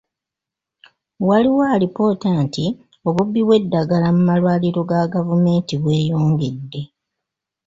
Waliwo alipoota nti obubbi bw'eddagala mu malwaliro ga gavumenti bweyongedde.